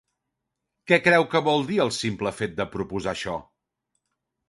Què creu que vol dir el simple fet de proposar això?